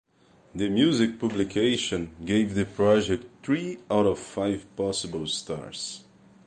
The music publication gave the project three out of five possible stars.